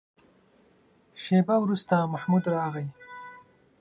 شېبه وروسته محمود راغی.